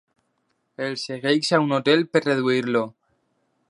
El segueix a un hotel per reduir-lo.